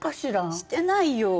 してないよ。